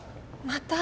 また？